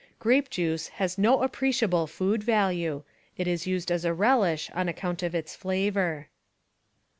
Grape juice has no appreciable food value. It is used as a relish on account of its flavor.